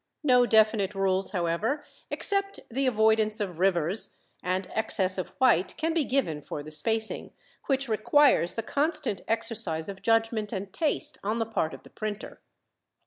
No definite rules, however, except the avoidance of "rivers" and excess of white, can be given for the spacing, which requires the constant exercise of judgment and taste on the part of the printer.